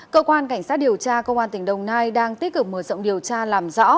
cơ quan cảnh sát điều tra công an tỉnh đồng nai đang tích cực mở rộng điều tra làm rõ